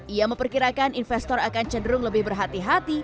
ia memperkirakan investor akan cenderung lebih berhati hati